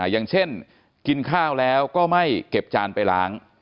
อย่างเช่นกินข้าวแล้วก็ไม่เก็บจานไปล้าง